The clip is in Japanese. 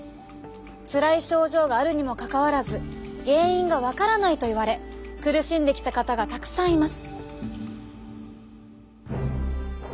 つらい症状があるにもかかわらず原因が分からないと言われ苦しんできた方がたくさんいます。